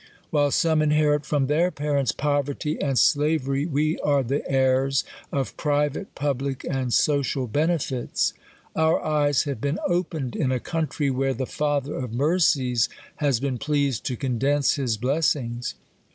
While some, inherit from their parents poverty and slavery, we are the heirs of private, public, and social benefits. Our eyes have been opened in a country, where the Fatherof mercies has been pleased to condense his bless ings.